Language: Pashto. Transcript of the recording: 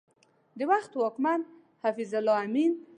د وخت واکمن حفیظ الله امین د خپل قدرت د ساتلو په موخه